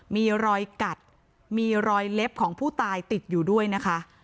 มีรอยกัดมีรอยเล็บของผู้ตายติดอยู่ด้วยนะคะ